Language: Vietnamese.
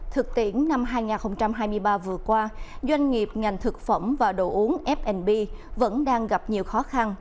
thực tiễn năm hai nghìn hai mươi ba vừa qua doanh nghiệp ngành thực phẩm và đồ uống f b vẫn đang gặp nhiều khó khăn